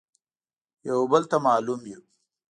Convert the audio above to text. يو بل ته مالوم يو.